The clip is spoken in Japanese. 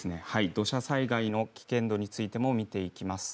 土砂災害の危険度についても見ていきます。